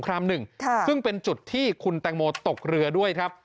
ซึ่งเป็นจุดที่คุณแตงโมตกเรือด้วยครับ